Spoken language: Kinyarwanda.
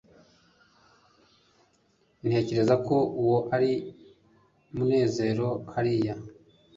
ntekereza ko uwo ari munezero hariya